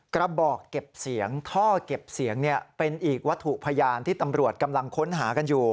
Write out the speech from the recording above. กระบอกเก็บเสียงท่อเก็บเสียงเป็นอีกวัตถุพยานที่ตำรวจกำลังค้นหากันอยู่